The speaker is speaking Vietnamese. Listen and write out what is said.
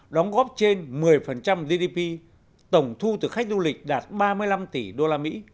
đồng góp trên một mươi gdp tổng thu từ khách du lịch đạt ba mươi năm tỷ usd